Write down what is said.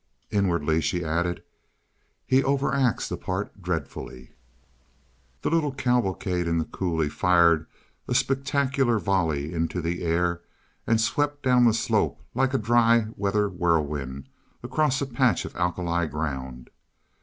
Inwardly she added: "He overacts the part dreadfully." The little cavalcade in the coulee fired a spectacular volley into the air and swept down the slope like a dry weather whirlwind across a patch of alkali ground.